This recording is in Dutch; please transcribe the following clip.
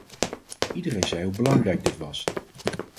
Iedereen zei hoe belangrijk dit was.